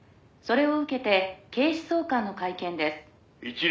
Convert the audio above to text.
「それを受けて警視総監の会見です」